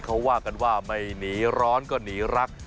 เขาว่ากันว่าไม่หนีร้อนก็หนีรัก